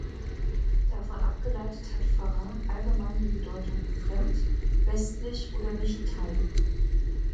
Davon abgeleitet hat "farang" allgemein die Bedeutung „fremd“, „westlich“ oder „nicht-Thai“.